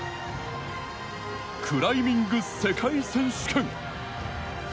クライミング世界選手権。